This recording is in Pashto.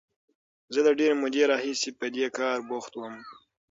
زه له ډېرې مودې راهیسې په دې کار بوخت وم.